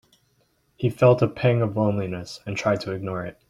He felt a pang of loneliness and tried to ignore it.